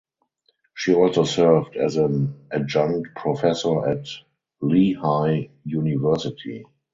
She also served as an adjunct professor at Lehigh University.